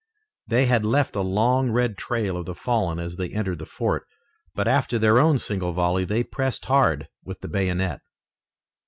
They had left a long red trail of the fallen as they entered the fort, but after their own single volley they pressed hard with the bayonet.